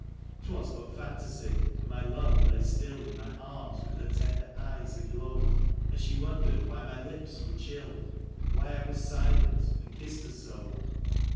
'Twas but fantasy, for my love lay still In my arms with her tender eyes aglow. And she wondered why my lips were chill, Why I was silent and kissed her so.